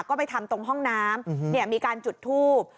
ก็ไปทำตรงห้องน้ำมีการจุดทูบ